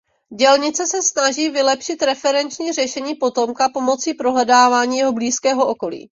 Dělnice se snaží vylepšit referenční řešení potomka pomocí prohledávání jeho blízkého okolí.